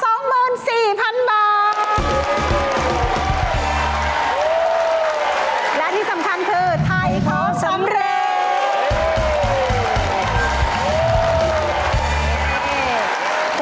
และที่สำคัญคือไทยของสำเร็จ